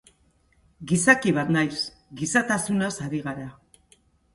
Gizaki bat naiz, gizatasunaz ari gara.